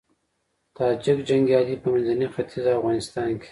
تاجیک جنګيالي په منځني ختيځ او افغانستان کې